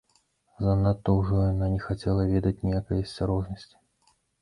Занадта ўжо яна не хацела ведаць ніякай асцярожнасці.